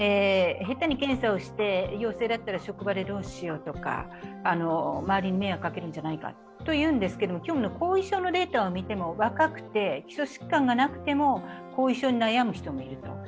へたに検査をして陽性だったら職場でどうしようとか、周りに迷惑をかけるんじゃないかというんですけれども、今日の後遺症のデータを見ても若くて基礎疾患がなくても後遺症に悩む人もいると。